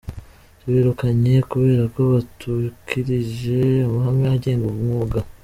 "Tubirukanye kubera ko batakurikije amahame agenga umwuga.